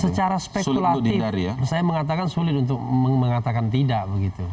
secara spekulatif saya mengatakan sulit untuk mengatakan tidak begitu